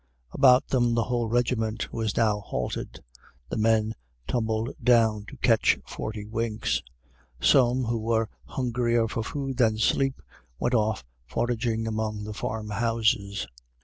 About them the whole regiment was now halted. The men tumbled down to catch forty winks. Some, who were hungrier for food than sleep, went off foraging among the farm houses.